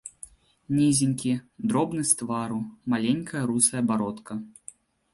Нізенькі, дробны з твару, маленькая русая бародка.